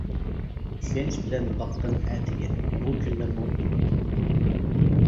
ئىشەنچ بىلەن باققىن ئەتىگە، بۇ كۈنلەرمۇ ئۆتۈپ كېتىدۇ.